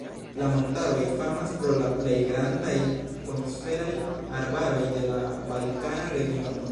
La montaroj famas pro la plej grandaj koniferaj arbaroj de la balkana regiono.